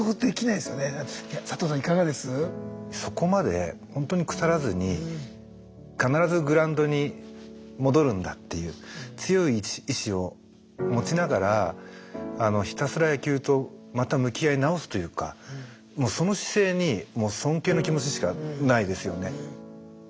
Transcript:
そこまでほんとにくさらずに必ずグラウンドに戻るんだっていう強い意志を持ちながらひたすら野球とまた向き合い直すというかもうその姿勢にもう尊敬の気持ちしかないですよね。